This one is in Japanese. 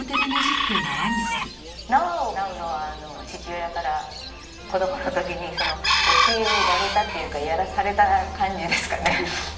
縄をなうのは父親から子供の時に教えられたっていうかやらされた感じですかね。